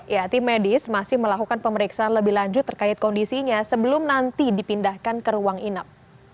ya tim medis masih melakukan pemeriksaan lebih lanjut terkait kondisinya sebelum nanti dipindahkan ke ruang inap